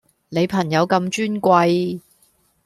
你朋友咁尊貴